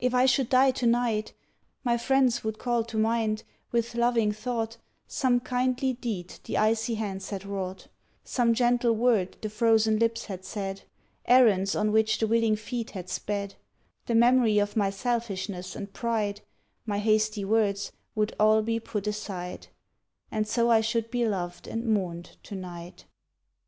If I should die to night, My friends would call to mind, with loving thought, Some kindly deed the icy hands had wrought; Some gentle word the frozen lips had said; Errands on which the willing feet had sped; The memory of my selfishness and pride, My hasty words, would all be put aside, And so I should be loved and mourned to night.